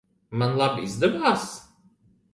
Man labi izdevās?